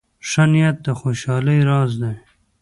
ښه نیت د خوشحالۍ راز دی.